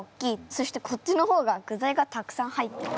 そしてこっちの方が具材がたくさん入ってる。